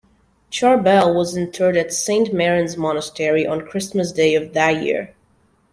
Charbel was interred at Saint Maron's Monastery on Christmas Day of that year.